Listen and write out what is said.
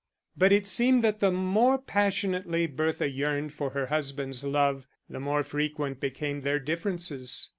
But it seemed that the more passionately Bertha yearned for her husband's love, the more frequent became their differences.